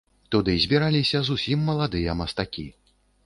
Туды збіраліся зусім маладыя мастакі.